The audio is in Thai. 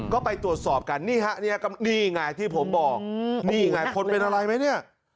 ก็ไปตรวจสอบกันนี่ฮะเนี่ยนี่ไงที่ผมบอกนี่ไงคนเป็นอะไรไหมเนี่ย